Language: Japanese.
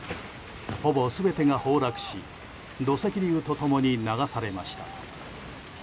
ほぼ全てが崩落し土石流と共に流されました。